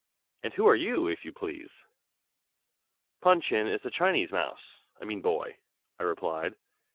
"And who are you, if you please?" "Pun Chin is a Chinese mouse I mean boy," I replied.